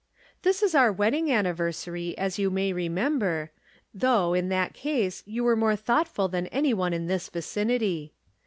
Tliis is our wedding anniversary, as yon may remember, though, in that case, you are more thoughtful than any one in this vicinity.